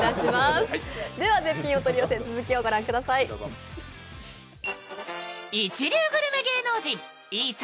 絶品お取り寄せ、続きをご覧ください。